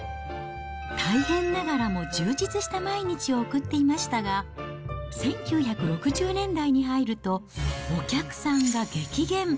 大変ながらも充実した毎日を送っていましたが、１９６０年代に入ると、お客さんが激減。